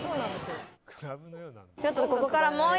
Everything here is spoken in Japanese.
ちょっとここからもう